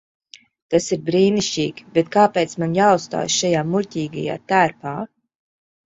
Tas ir brīnišķīgi, bet kāpēc man jāuzstājas šajā muļķīgajā tērpā?